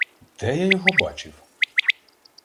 Де я його бачив?!